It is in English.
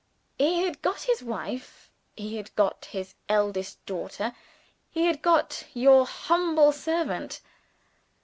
He had got his wife; he had got his eldest daughter; he had got your humble servant.